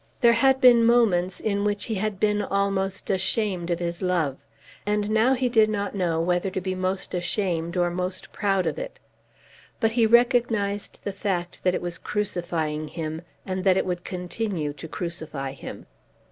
There had been moments in which he had been almost ashamed of his love, and now he did not know whether to be most ashamed or most proud of it. But he recognised the fact that it was crucifying him, and that it would continue to crucify him.